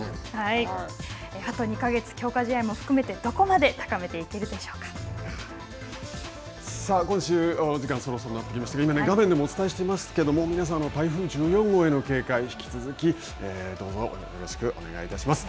あと２か月、強化試合も含めて、さあ今週、お時間そろそろになってきましたけど、今、画面でもお伝えしていますけど、皆さん、台風１４号への警戒、引き続き、どうぞよろしくお願いいたします。